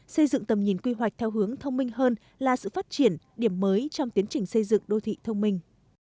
xây dựng tầm nhìn quy hoạch theo hướng thông minh hơn là sự phát triển điểm mới trong tiến trình xây dựng đô thị thông minh